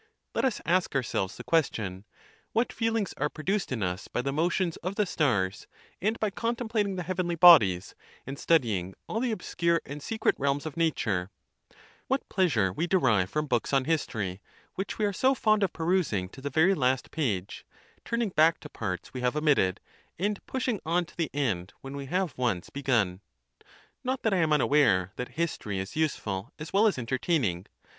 \ Let us ask ourselves tbe ques tion, what feelings are produced in us by the motions of tbe stars and by contemplating the heavenly iKxhes and studying all the obscure and secret realms of nature; what pleasure we derive from books on liistory, which we are so fond of perusing to the very last page, turning back to parts we have omitted, and pushing on to the end when we have once be ffun. Not that I am unaware that history is useful as well as entertaining.